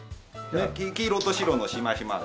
黄色と白のしましまで。